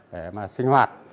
để mà sinh hoạt